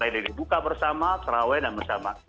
dari buka bersama taraweh dan bersama